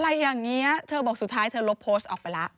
อะไรอย่างนี้เธอบอกสุดท้ายเธอลบโพสต์ออกไปแล้ว